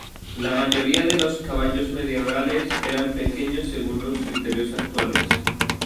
La mayoría de los caballos medievales eran pequeños según los criterios actuales.